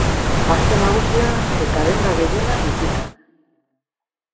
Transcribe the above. Aste Nagusia eta denda gehienak itxita.